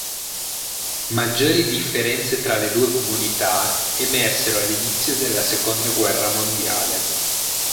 Maggiori differenze tra le due comunità emersero all'inizio della seconda guerra mondiale.